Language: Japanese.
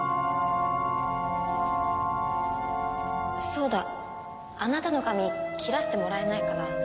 そうだあなたの髪切らせてもらえないかな？